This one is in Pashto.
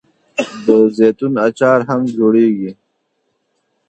د زیتون اچار هم جوړیږي.